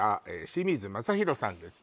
清水雅弘さんです